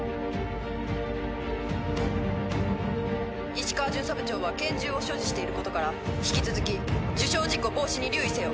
石川巡査部長は拳銃を所持していることから引き続き受傷事故防止に留意せよ。